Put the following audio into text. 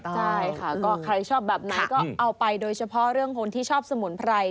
ใช่ค่ะก็ใครชอบแบบไหนก็เอาไปโดยเฉพาะเรื่องคนที่ชอบสมุนไพร